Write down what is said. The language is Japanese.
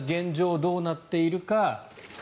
どうなっているか。